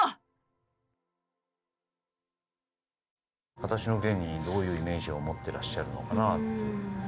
「はだしのゲン」にどういうイメージを持っていらっしゃるのかなと。